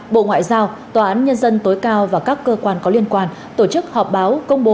bộ ngoại giao tòa án nhân dân tối cao và các cơ quan có liên quan tổ chức họp báo công bố